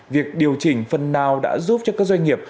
việc điều chỉnh phần nào đã giúp cho các doanh nghiệp